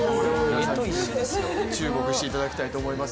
注目していただきたいと思います。